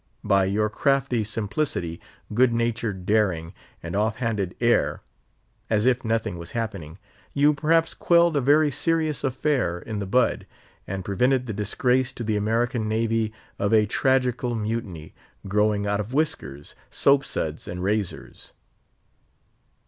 By your crafty simplicity, good natured daring, and off handed air (as if nothing was happening) you perhaps quelled a very serious affair in the bud, and prevented the disgrace to the American Navy of a tragical mutiny, growing out of whiskers, soap suds, and razors.